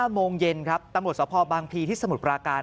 โมงเย็นครับตำรวจสภบางพีที่สมุทรปราการ